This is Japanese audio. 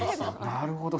なるほど。